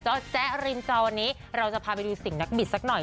แจ๊ริมจอวันนี้เราจะพาไปดูสิ่งนักบิดสักหน่อย